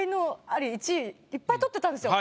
アリ１位いっぱい取ってたんですよ。